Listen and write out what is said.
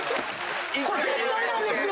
これ絶対なんですよ。